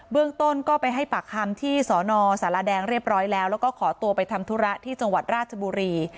เรื่องต้นก็ไปให้ปากคำที่สนสารแดงเรียบร้อยแล้วแล้วก็ขอตัวไปทำธุระที่จังหวัดราชบุรี